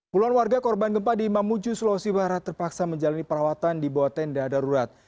puluhan warga korban gempa di mamuju sulawesi barat terpaksa menjalani perawatan di bawah tenda darurat